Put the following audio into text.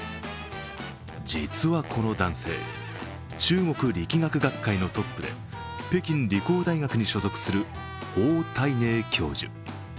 実はこの男性、中国力学学会のトップで北京理工大学に所属する方岱寧教授。